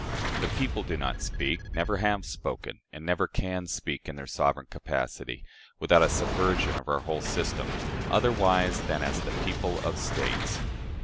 The people do not speak, never have spoken, and never can speak, in their sovereign capacity (without a subversion of our whole system), otherwise than as the people of States.